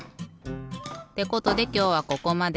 ってことできょうはここまで。